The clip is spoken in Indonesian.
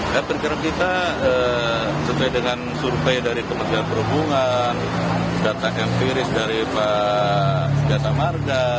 ya berkira kita sesuai dengan survei dari kementerian perhubungan data yang firis dari pak gata marga